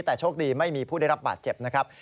แต่โชคดีไม่มีผู้ได้รับบาดเจ็บนะครับ